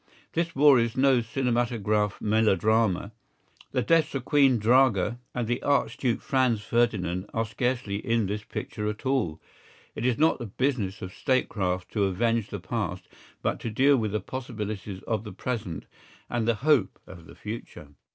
This war is no cinematograph melodrama. The deaths of Queen Draga and the Archduke Franz Ferdinand are scarcely in this picture at all. It is not the business of statecraft to avenge the past, but to deal with the possibilities of the present and the hope of the future.